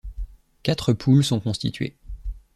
Quatre poules sont constituées.